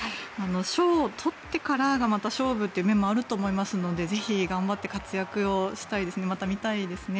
賞を取ってからがまた勝負という面もあると思いますのでぜひ頑張って活躍してほしいですねまた見たいですね。